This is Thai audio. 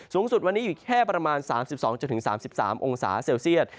สูงสุดวันนี้อยู่แค่ประมาณ๓๒๓๓องศาเซลเซียต